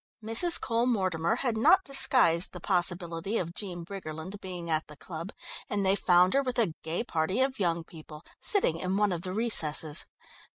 Mrs. Cole Mortimer had not disguised the possibility of Jean Briggerland being at the club, and they found her with a gay party of young people, sitting in one of the recesses.